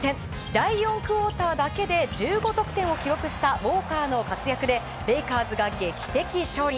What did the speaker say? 第４クオーターだけで１５得点を記録したウォーカーの活躍でレイカーズが劇的勝利。